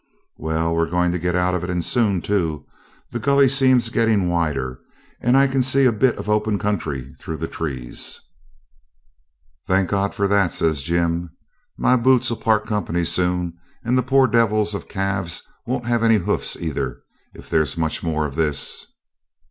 'Well, we're going to get out of it, and soon too. The gully seems getting wider, and I can see a bit of open country through the trees.' 'Thank God for that!' says Jim. 'My boots'll part company soon, and the poor devils of calves won't have any hoofs either, if there's much more of this.'